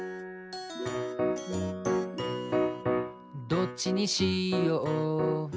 「どっちにしよう？」